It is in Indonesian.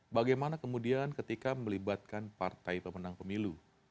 bagaimana kemudian ketika melibatkan partai pemenang pemilu